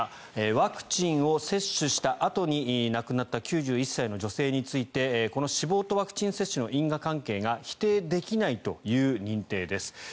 ワクチンを接種したあとに亡くなった９１歳の女性についてこの死亡とワクチン接種の因果関係が否定できないという認定です。